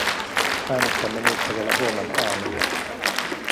Äänestämme niistä vielä huomenaamulla.